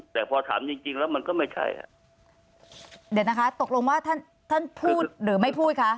แต่พอถามจริงจริงแล้วมันก็ไม่ใช่อ่ะเดี๋ยวนะคะตกลงว่าท่านท่านพูดหรือไม่พูดคะ